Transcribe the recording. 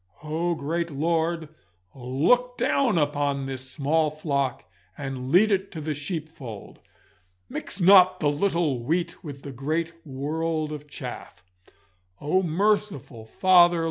Oh, great Lord, look down upon this small flock and lead it to the sheep fold! Mix not the little wheat with the great world of chaff. Oh, merciful Father!